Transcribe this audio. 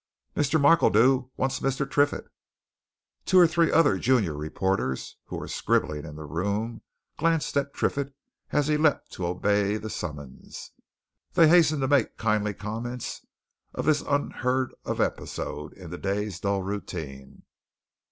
"Mr. Markledew wants Mr. Triffitt!" Two or three other junior reporters who were scribbling in the room glanced at Triffitt as he leapt to obey the summons. They hastened to make kindly comments on this unheard of episode in the day's dull routine.